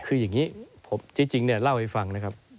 คืออย่างนี้จริงเนี่ยเล่าให้ฟังนะครับ